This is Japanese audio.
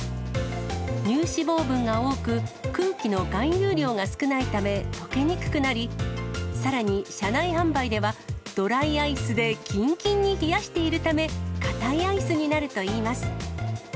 乳脂肪分が多く、空気の含有量が少ないため、溶けにくくなり、さらに車内販売では、ドライアイスできんきんに冷やしているため、固いアイスになるといいます。